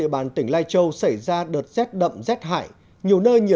ở bản sinh suối hồ xã sinh suối hồ